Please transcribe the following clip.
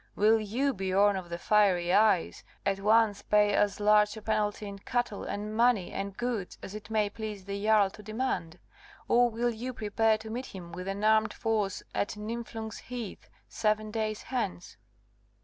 Will you, Biorn of the Fiery Eyes, at once pay as large a penalty in cattle, and money, and goods, as it may please the Jarl to demand? Or will you prepare to meet him with an armed force at Niflung's Heath seven days hence?"